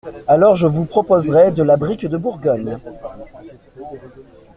Alors je vous proposerai de la brique de Bourgogne.